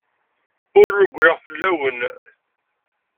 Ur rewwleɣ fell-awen.